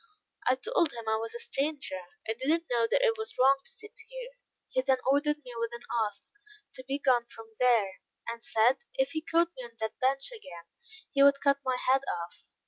I told him I was a stranger, and did not know that it was wrong to sit there. He then ordered me with an oath, to begone from there; and said, if he caught me on that bench again, he would cut my head off.